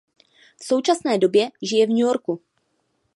V současné době žije v New Yorku.